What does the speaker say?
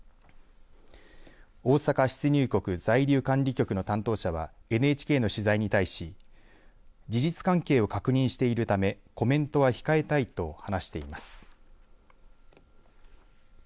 大阪出入国在留管理局の担当者はＮＨＫの取材に対し事実関係を確認しているためコメントは控えたいと話しています。